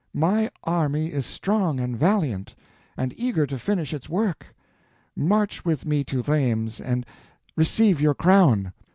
My army is strong and valiant, and eager to finish its work—march with me to Rheims and receive your crown."